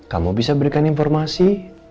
kamu bisa berikan informasi